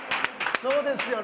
そうですよね。